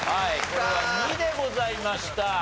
これは２でございました。